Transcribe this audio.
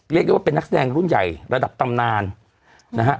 เรียกได้ว่าเป็นนักแสดงรุ่นใหญ่ระดับตำนานนะฮะ